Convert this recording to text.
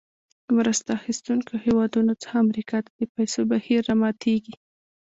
د مرسته اخیستونکو هېوادونو څخه امریکا ته د پیسو بهیر راماتیږي.